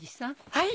はい！